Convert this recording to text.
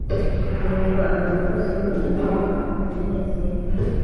Nuko abantu bose bo mu gihugu baranezerwa